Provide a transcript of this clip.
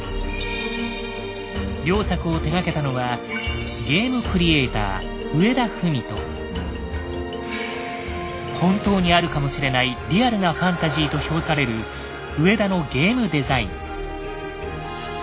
両作を手がけたのは本当にあるかもしれないリアルなファンタジーと評される上田のゲームデザイン。